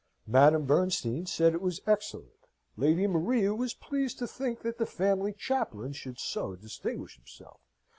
Madame Bernstein said it was excellent. Lady Maria was pleased to think that the family chaplain should so distinguish himself.